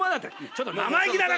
ちょっと生意気だな